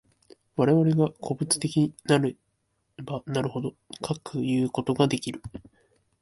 我々が個物的なればなるほど、かくいうことができる。